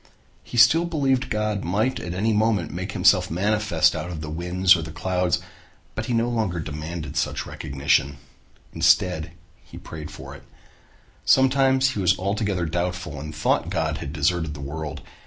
He still believed that God might at any moment make himself manifest out of the winds or the clouds, but he no longer demanded such recognition. Instead he prayed for it. Sometimes he was altogether doubtful and thought God had deserted the world.